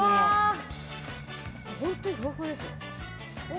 本当にふわふわですね。